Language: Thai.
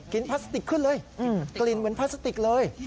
พลาสติกขึ้นเลยกลิ่นเหมือนพลาสติกเลย